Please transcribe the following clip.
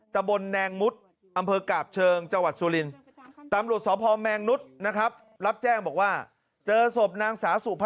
ตะบนแนงมุทรอำเภอกาบเชิง